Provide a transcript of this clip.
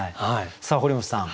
堀本さん